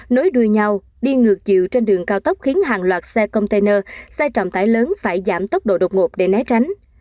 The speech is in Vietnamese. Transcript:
nối đuôi nhau đi ngược chiều trên đường cao tốc khiến hàng loạt xe container xe trọng tải lớn phải giảm tốc độ đột ngột để né tránh